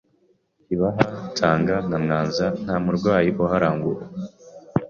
Kibaha, Tanga na Mwanza nta murwayi uharangwa ubu.